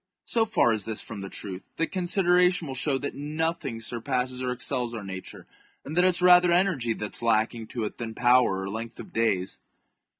So far is this from the truth, that consideration will show that nothing surpasses or excels our nature, and that it is rather energy that is lacking to it than power or length of days.